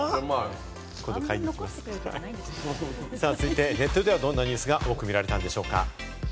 続いてはネットではどんなニュースが多く見られたんでしょうか？